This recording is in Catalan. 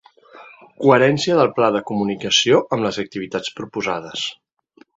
Coherència del pla de comunicació amb les activitats proposades.